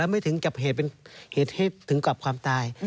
ไม่ถึงกับเหตุที่ถึงกลับความตาย